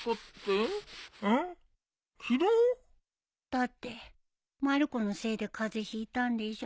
だってまる子のせいで風邪ひいたんでしょ？